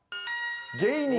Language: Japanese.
「芸人」。